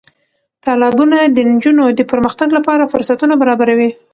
تالابونه د نجونو د پرمختګ لپاره فرصتونه برابروي.